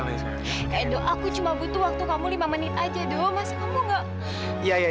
maksudnya gimana bekerja gitu ini wherever